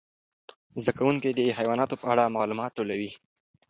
زده کوونکي د حیواناتو په اړه معلومات ټولوي.